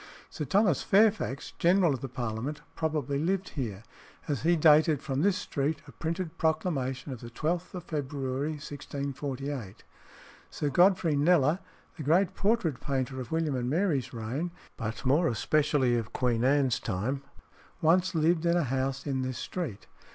Sir Thomas Fairfax, general of the Parliament, probably lived here, as he dated from this street a printed proclamation of the 12th of February 1648. Sir Godfrey Kneller, the great portrait painter of William and Mary's reign, but more especially of Queen Anne's time, once lived in a house in this street.